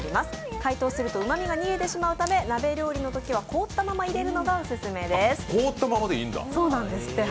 解凍するとうまみが逃げてしまうため、鍋料理のときは凍ったまま入れるのがオススメです。